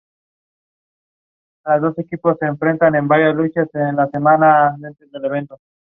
Trabaja como traductora de la Unión Europea en Bruselas.